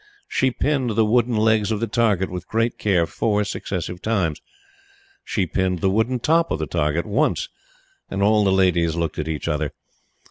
She pinned the wooden legs of the target with great care four successive times. She pinned the wooden top of the target once, and all the ladies looked at each other.